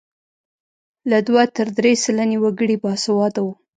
له دوه تر درې سلنې وګړي باسواده وو.